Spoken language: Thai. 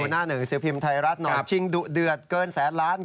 หน้าหนึ่งสือพิมพ์ไทยรัฐหน่อยชิงดุเดือดเกินแสนล้าน